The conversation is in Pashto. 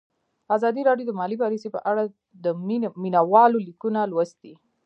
ازادي راډیو د مالي پالیسي په اړه د مینه والو لیکونه لوستي.